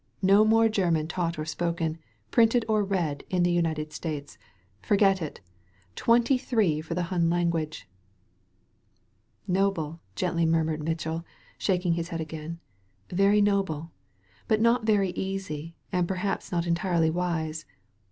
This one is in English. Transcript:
No more German taught or spoken, printed or read, in the United States. Forget it ! Twenty three for the Hun language !*' "Noble," gently murmured Mitchell, shaking his head again; "very noble! iBut not very easy and perhaps not entirely wise.